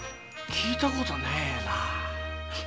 聞いたことねえな。